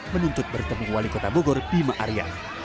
menuntut bertemu wali kota bogor bima arya